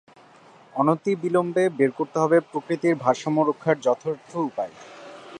অনতিবিলম্বে বের করতে হবে প্রকৃতির ভারসাম্য রক্ষার যথার্থ উপায়।